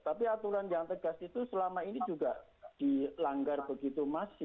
tapi aturan yang tegas itu selama ini juga dilanggar begitu masif